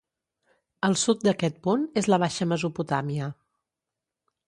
Al sud d'aquest punt és la Baixa Mesopotàmia.